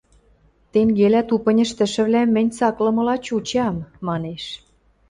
– Тенгелӓ тупынь ӹштӹшӹвлӓм мӹнь цаклымыла чучам, – манеш.